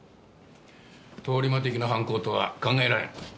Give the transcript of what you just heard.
通り魔的な犯行とは考えられん。